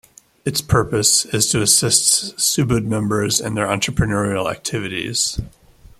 Its purpose is to assist Subud members in their entrepreneurial activities.